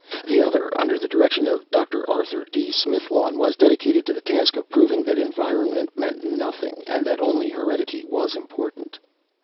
The other, under the direction of Dr. Arthur D. Smithlawn, was dedicated to the task of proving that environment meant nothing, and that only heredity was important.